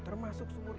termasuk sumur ini